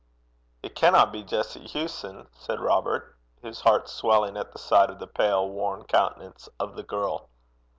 'It canna be Jessie Hewson?' said Robert, his heart swelling at the sight of the pale worn countenance of the girl.